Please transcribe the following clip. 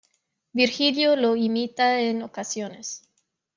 Virgilio lo imita en ocasiones.